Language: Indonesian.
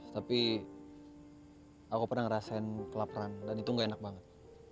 tapi aku pernah ngerasain kelaperan dan itu gak enak banget